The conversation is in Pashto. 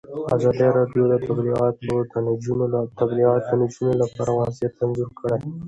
ازادي راډیو د تعلیمات د نجونو لپاره وضعیت انځور کړی.